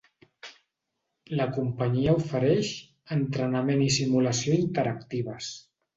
La companyia ofereix "Entrenament i simulació interactives".